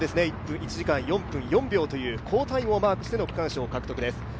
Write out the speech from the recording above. １時間４分４秒という好タイムをマークしての区間賞獲得です。